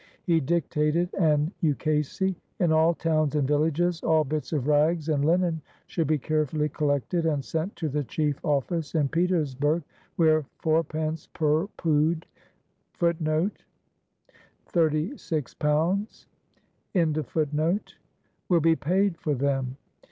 He dictated an ukase: "In all towns and villages all bits of rags and linen should be carefully collected and sent to the chief office in Petersburg, where fourpence per pood^ will be paid for them."